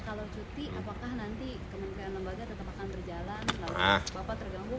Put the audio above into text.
kalau cuti apakah nanti kemungkinan lembaga tetap akan berjalan